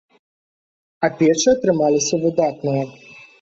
А печы атрымаліся выдатныя.